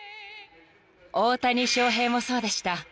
［大谷翔平もそうでした］